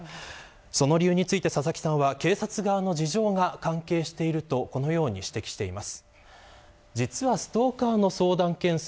その理由について、佐々木さんは警察側の事情が関係しているとこのように指摘しています。